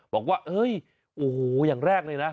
บอกว่าเอ้ยโอ้โหอย่างแรกเลยนะ